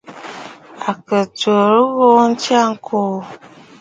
À kɨ tsurə ghu ntsya ŋkuu.